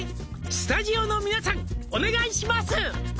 「スタジオの皆さんお願いします」